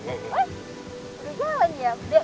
oh udah jalan ya